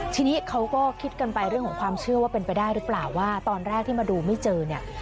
ทีนี้เขาก็คิดกันไปเรื่องของความเชื่อว่าเป็นไปได้หรือเปล่าว่าตอนแรกที่มาดูไม่เจอเนี่ย